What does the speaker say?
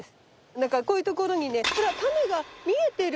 だからこういうところにねほらタネが見えてる。